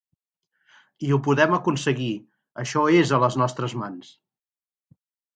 I ho podem aconseguir, això és a les nostres mans.